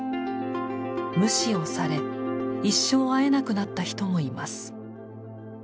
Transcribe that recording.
無視をされ一生会えなくなった人もいます。